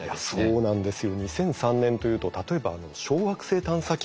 そうなんですよ。